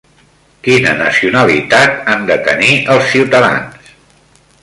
Quina nacionalitat han de tenir els ciutadans?